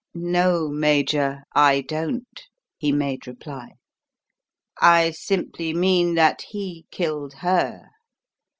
"No, Major, I don't," he made reply. "I simply mean that he killed her!